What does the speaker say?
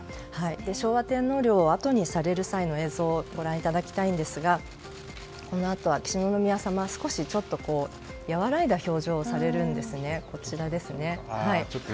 昭和天皇陵をあとにされる際の映像をご覧いただきたいんですがこのあと秋篠宮さまは少し和らいだ表情をされるんですね。